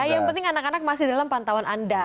yang penting anak anak masih dalam pantauan anda